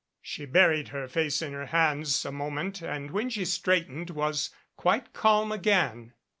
She buried her face in her hands a moment and when she straightened was quite calm again.